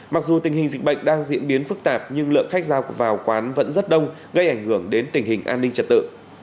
mặc dù tình hình dịch bệnh đang diễn biến phức tạp nhưng lượng khách ra vào quán vẫn rất đông gây ảnh hưởng đến tình hình an ninh trật tự